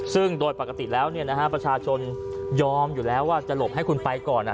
ซึ่งโดยปกติแล้วประชาชนยอมอยู่แล้วว่าจะหลบให้คุณไปก่อน